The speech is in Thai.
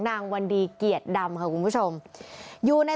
วันดีเกียรติดำค่ะคุณผู้ชมอยู่ใน